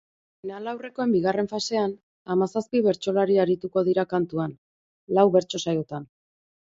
Finalaurrekoen bigarren fasean, hamazazpi bertsolari arituko dira kantuan, lau bertso saiotan.